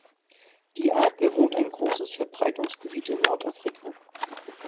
Die Art bewohnt ein großes Verbreitungsgebiet in Nordafrika.